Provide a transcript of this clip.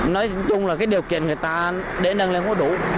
nói chung là cái điều kiện người ta để nâng lên không có đủ